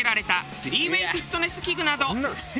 ３ＷＡＹフィットネス器具など。